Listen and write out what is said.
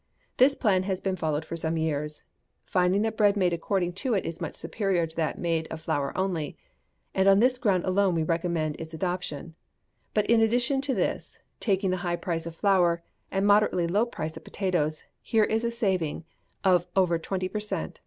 This plan has been followed for some years: finding that bread made according to it is much superior to that made of flour only, and on this ground alone we recommend its adoption; but in addition to this, taking the high price of flour, and moderately low price of potatoes, here is a saving of over twenty per cent.